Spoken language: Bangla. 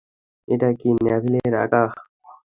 এটা কি ন্যাভিলের আঁকা?